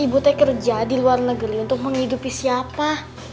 ibu teh kerja di luar negeri untuk menghidupi siapa